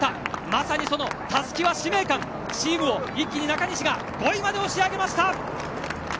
まさに、たすきは使命感チームを一気に中西が５位まで押し上げました！